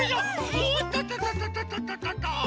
おっとととととと。